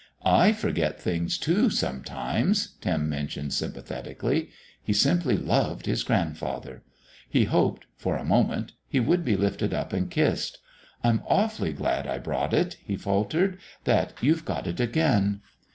"I forget things, too sometimes," Tim mentioned sympathetically. He simply loved his grandfather. He hoped for a moment he would be lifted up and kissed. "I'm awfully glad I brought it," he faltered "that you've got it again."